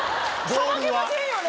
さばけませんよね？